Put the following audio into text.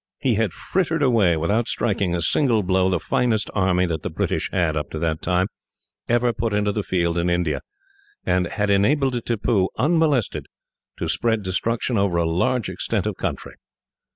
He had frittered away, without striking a single blow, the finest army that the British had, up to that time, ever put into the field in India; and had enabled Tippoo, unmolested, to spread destruction over a large extent of country.